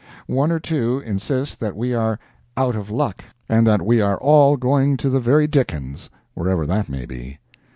One or two insist that we are 'out of luck,' and that we are all going to the very dickens, wherever that may be.